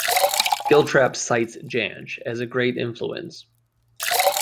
Giltrap cites Jansch as a great influence.